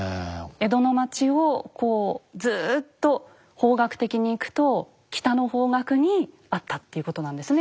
江戸の町をこうずっと方角的に行くと北の方角にあったっていうことなんですね